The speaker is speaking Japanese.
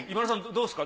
どうですか？